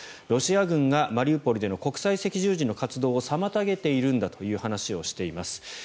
ロシア軍がマリウポリでの国際赤十字の活動を妨げているんだという話をしています。